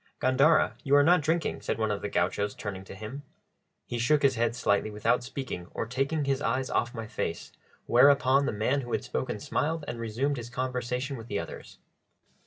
"Gandara, you are not drinking," said one of the gauchos, turning to him. He shook his head slightly without speaking or taking his eyes off my face; whereupon the man who had spoken smiled and resumed his conversation with the others.